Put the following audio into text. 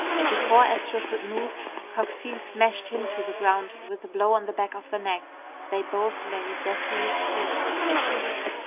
Before Astro could move, Coxine smashed him to the ground with a blow on the back of the neck. They both lay deathly still.